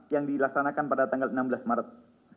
yang dilaksanakan pada tanggal enam belas maret